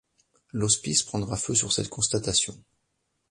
L’hospice prendra feu sur cette constatation.